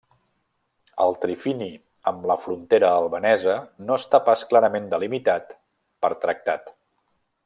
El trifini amb la frontera albanesa no està pas clarament delimitat per tractat.